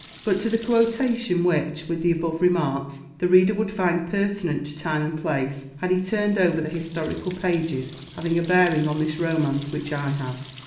But to the quotation, which, with the above remarks, the reader would find pertinent to time and place had he turned over the historical pages having a bearing on this romance which I have.